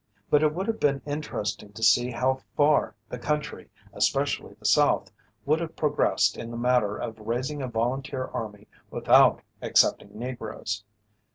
But it would have been interesting to see how far the country, especially the South, would have progressed in the matter of raising a volunteer army without accepting Negroes.